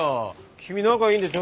君仲いいんでしょ？